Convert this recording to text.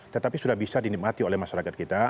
tetapi sudah bisa dinikmati oleh masyarakat kita